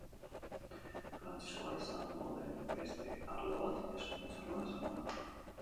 Garrantzizkoa izango den beste arlo bat hezkuntza arloa izango da.